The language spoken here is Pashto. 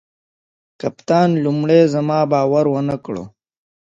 کپتان لومړي زما باور ونه کړ.